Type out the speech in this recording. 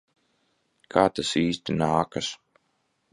Kā tas īsti nākas?